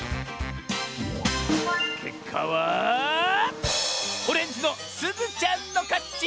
けっかはオレンジのすずちゃんのかち！